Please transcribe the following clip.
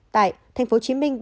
tại tp hcm ba mươi bốn